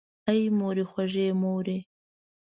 آی مورې خوږې مورې!